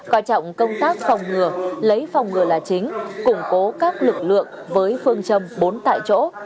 coi trọng công tác phòng ngừa lấy phòng ngừa là chính củng cố các lực lượng với phương châm bốn tại chỗ